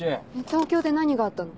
東京で何があったの？